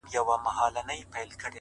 د زړه صفا د اړیکو قوت دی،